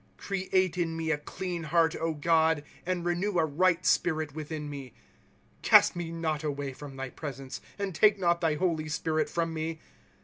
'" Create in mo a clean heart, God, And renew a right spirit witiiiu me. " Oast me not away from thy presence, And take not thy holy Spirit from me.